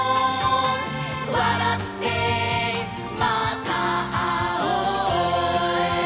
「わらってまたあおう」